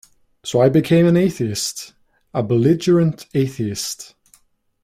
So I became an atheist, a belligerent atheist.